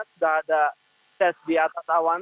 sudah ada tes di atas awan